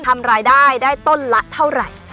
ทำรายได้ได้ต้นละเท่าไหร่